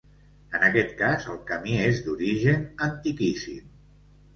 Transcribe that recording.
En aquest cas, el camí és d'origen antiquíssim.